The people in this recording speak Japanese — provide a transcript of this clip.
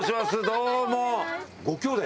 どうも！